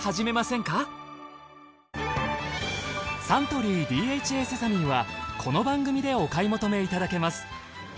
サントリーＤＨＡセサミンはこの番組でお買い求めいただけます。